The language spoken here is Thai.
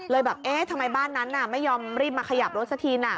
แบบเอ๊ะทำไมบ้านนั้นไม่ยอมรีบมาขยับรถสักทีน่ะ